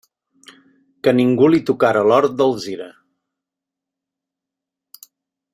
Que ningú li tocara l'hort d'Alzira.